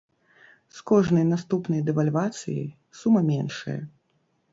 З кожнай наступнай дэвальвацыяй сума меншае.